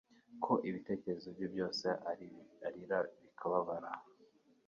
ko ibitekerezo bye byose arira bikababara